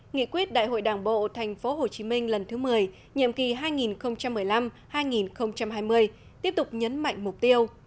nghị quyết đại hội đảng bộ tp hcm lần thứ một mươi nhiệm kỳ hai nghìn một mươi năm hai nghìn hai mươi tiếp tục nhấn mạnh mục tiêu